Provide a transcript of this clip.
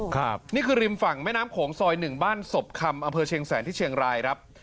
ครับนี่คือริมฝั่งแม่น้ำโขงซอยหนึ่งบ้านศพคำอำเภอเชียงแสนที่เชียงรายครับ